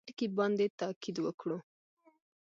پر دې ټکي باندې تاءکید وکړو.